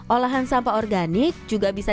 olahan sampah organik juga bisa